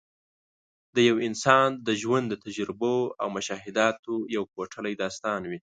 د یو انسان د ژوند د تجربو او مشاهداتو یو کوټلی داستان وي.